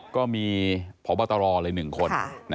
ก็มีผอบตรเลยหนึ่งคน